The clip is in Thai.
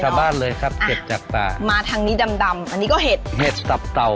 บ้านเลยครับเห็ดจากป่ามาทางนี้ดำดำอันนี้ก็เห็ดเห็ดตับเต่า